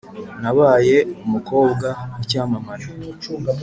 nabaye umukobwa w’icyamamare